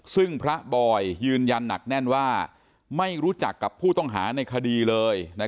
ซึ่งพระบอยยืนยันหนักแน่นว่าไม่รู้จักกับผู้ต้องหาในคดีเลย